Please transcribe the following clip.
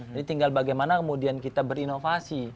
jadi tinggal bagaimana kemudian kita berinovasi